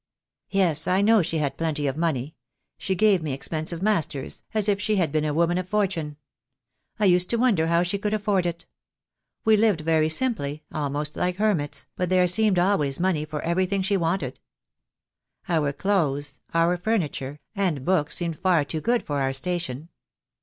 "Yes, I know she had plenty of money. She gave me expensive masters, as if she had been a woman of fortune. I used to wonder how she could afford it. We lived very simply, almost like hermits, but there seemed always money for everything she wanted. Our clothes, our furniture, and books seemed far too good for our station.